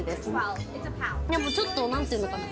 ちょっと何て言うのかな。